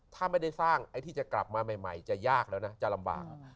ถ้าไม่ได้สร้างไอ้ที่จะกลับมาใหม่จะยากแล้วนะจะลำบาก